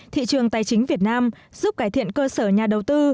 thị trường tài chính việt nam giúp cải thiện cơ sở nhà đầu tư